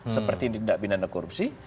seperti tindak pidana korupsi